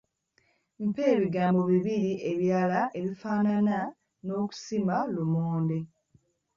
Mpa ebigambo bibiri ebirala ebifaanana n'okusima lumonde?